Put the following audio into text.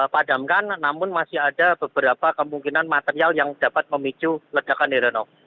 padamkan namun masih ada beberapa kemungkinan material yang dapat memicu ledakan heranov